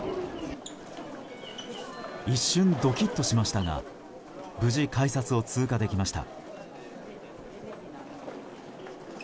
一瞬ドキッとしましたが無事、改札を通過できました。